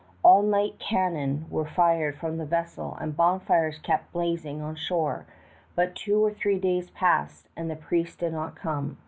All night cannon were fired from the vessel and bonfires kept blazing on shore; but two or three days passed, and the priest did not come.